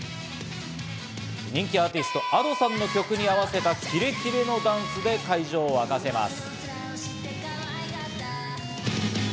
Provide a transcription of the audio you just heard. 人気アーティスト・Ａｄｏさんの曲に合わせたキレキレのダンスで会場を沸かせます。